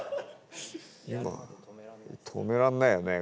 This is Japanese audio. まあ止めらんないよね